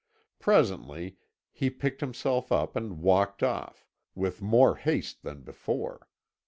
Presently he picked himself up and walked off, with more haste than before.